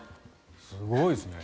すごいですね。